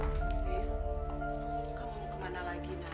lilis kamu mau kemana lagi nak